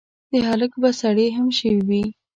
د هلک به سړې هم شوي وي.